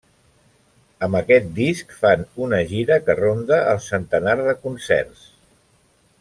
Amb aquest disc fan una gira que ronda el centenar de concerts.